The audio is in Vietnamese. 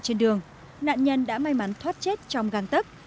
trên đường nạn nhân đã may mắn thoát chết trong găng tấc